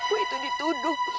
kamu itu dituduh